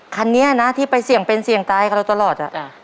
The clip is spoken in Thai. คันนี้นะที่ไปเสี่ยงเป็นเสี่ยงตายกับเราตลอด